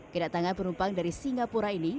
kedatangan penumpang dari singapura ini